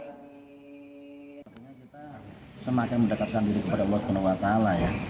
artinya kita semakin mendekatkan diri kepada allah swt ya